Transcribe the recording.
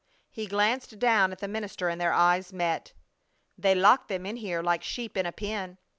He glanced down at the minister and their eyes met. "They lock them in here like sheep in a pen.